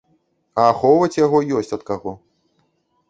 А ахоўваць яго ёсць ад каго.